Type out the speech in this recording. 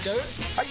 ・はい！